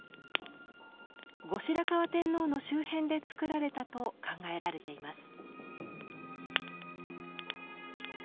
後白河天皇の周辺で作られたと考えられています。